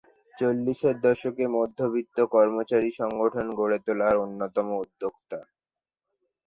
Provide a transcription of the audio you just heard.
চল্লিশের দশকে মধ্যবিত্ত কর্মচারী সংগঠন গড়ে তোলার অন্যতম উদ্যোক্তা।